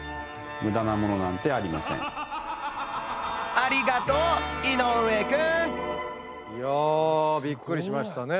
ありがとう井上くん！いやびっくりしましたね。